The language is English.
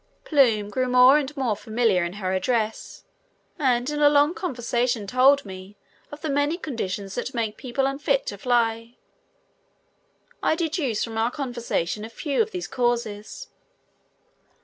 Plume grew more and more familiar in her address and in a long conversation told me of the many conditions that make people unfit to fly. I deduce from our conversation a few of these causes.